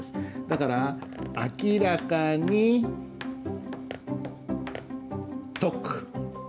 だから「明らかに説く」